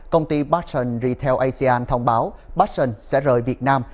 công ty batson retail asean thông báo batson sẽ rời việt nam